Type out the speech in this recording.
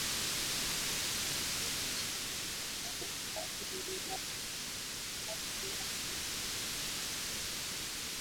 Kurahisisha hilo serikali imeanzisha miradi mbalimbali ya kimkakati